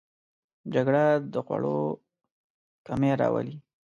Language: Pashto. جګړه د خوړو کمی راولي